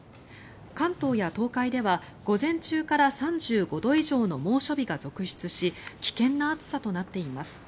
関東や東海では午前中から３５度以上の猛暑日が続出し危険な暑さとなっています。